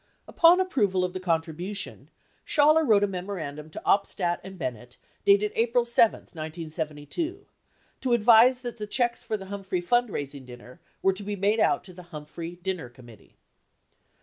Upon approval of the contribution, Schaller wrote a memorandum to Opstad and Bennett dated April 7, 1972 98 to advise that the checks for the Humphrey fund raising dinner were to be made out to the "Humphrey Dinner Committee."